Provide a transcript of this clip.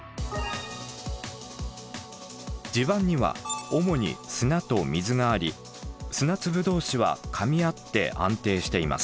地盤には主に砂と水があり砂粒同士はかみ合って安定しています。